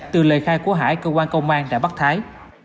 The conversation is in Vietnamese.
từ lời khai của hải cơ quan công an đã bắt thái